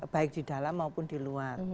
baik di dalam maupun di luar